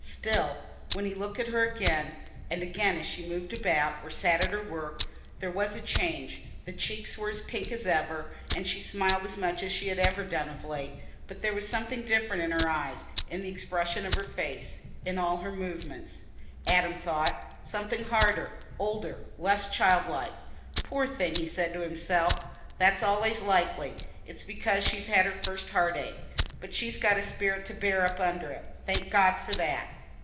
Still, when he looked at her again and again as she moved about or sat at her work, there was a change: the cheeks were as pink as ever, and she smiled as much as she had ever done of late, but there was something different in her eyes, in the expression of her face, in all her movements, Adam thought—something harder, older, less child like. "Poor thing!" he said to himself, "that's allays likely. It's because she's had her first heartache. But she's got a spirit to bear up under it. Thank God for that."